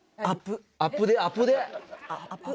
アプデアプデ！